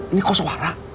ini kos suara